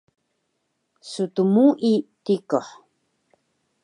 Stmui tikuh